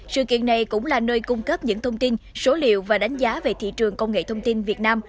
sự kiện này cũng là nơi cung cấp những thông tin số liệu và đánh giá về thị trường công nghệ thông tin việt nam